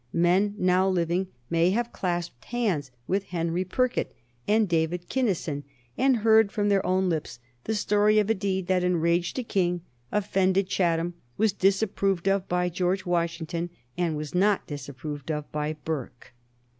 Men now living may have clasped hands with Henry Purkitt and David Kinnison and heard from their own lips the story of a deed that enraged a King, offended Chatham, was disapproved of by George Washington, and was not disapproved of by Burke.